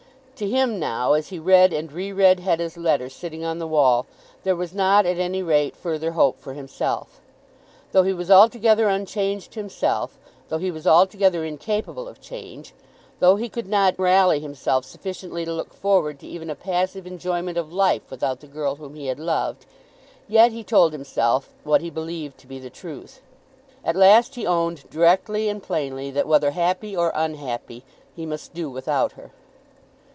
To him now, as he read and re read Hetta's letter sitting on the wall, there was not at any rate further hope for himself. Though he was altogether unchanged himself, though he was altogether incapable of change, though he could not rally himself sufficiently to look forward to even a passive enjoyment of life without the girl whom he had loved, yet he told himself what he believed to be the truth. At last he owned directly and plainly that, whether happy or unhappy, he must do without her.